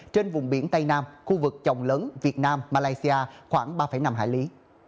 trên vùng biển tây nam khu vực chồng lấn việt nam malaysia khoảng ba năm hải lý